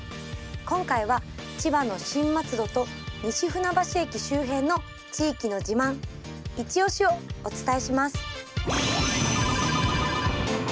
今回は、千葉の新松戸と西船橋駅周辺の地域の自慢いちオシ！をお伝えします。